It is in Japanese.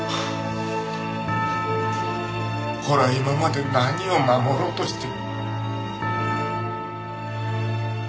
俺は今まで何を守ろうとして。